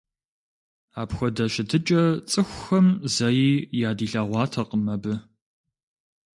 Апхуэдэ щытыкӀэ цӀыхухэм зэи ядилъэгъуатэкъым абы.